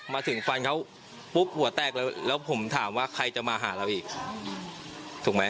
มาถึงฟันเขาปุ๊บหัวแตกแล้วแล้วผมถามว่าใครจะมาหาเราอีกถูกไหม